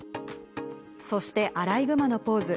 そして、アライグマのポーズ。